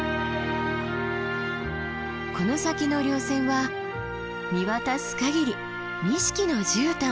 この先の稜線は見渡す限り錦のじゅうたん。